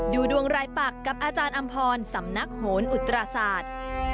ดูดวงรายปักกับอาจารย์อำพรสำนักโหนอุตราศาสตร์